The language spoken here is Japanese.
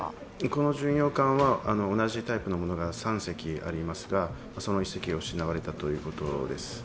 この巡洋艦は同じタイプのものが３隻ありますがその１隻が失われたということです